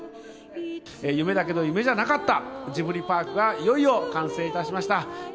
夢だけど夢じゃなかったジブリパークがいよいよ完成いたしました。